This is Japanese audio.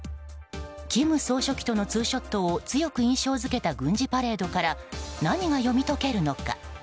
金総書記とのツーショットを強く印象付けた軍事パレードから何が読み解けるのか。